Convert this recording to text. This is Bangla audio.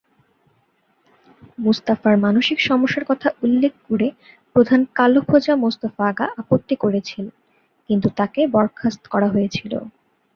মুস্তাফার মানসিক সমস্যার কথা উল্লেখ করে প্রধান কালো খোজা মোস্তফা আগা আপত্তি করেছিলেন, কিন্তু তাকে বরখাস্ত করা হয়েছিল।